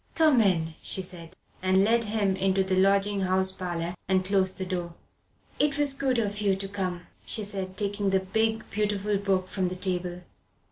"Come in," she said, and led him into the lodging house parlour and closed the door. "It was good of you to come," she said, taking the big, beautiful book from the table.